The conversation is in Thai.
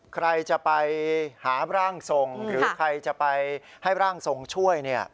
ใครจะไปหาร่างทรงหรือใครจะไปให้ร่างทรงช่วย